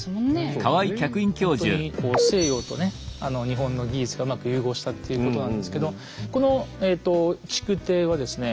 ほんとにこう西洋とね日本の技術がうまく融合したっていうことなんですけどこの築堤はですね